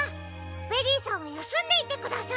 ベリーさんはやすんでいてください。